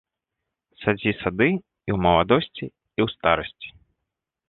Садзі сады і ў маладосці, і ў старасці!